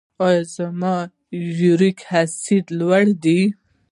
ایا زما یوریک اسید لوړ دی؟